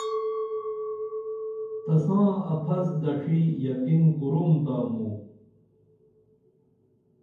تساں اپھس دڇھی یقین کُرُم تا موں